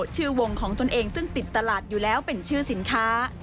ชื่อวงของตนเองซึ่งติดตลาดอยู่แล้วเป็นชื่อสินค้า